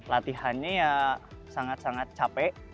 latihannya ya sangat sangat capek